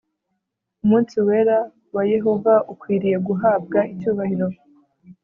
umunsi wera wa Yehova ukwiriye guhabwa icyubahiro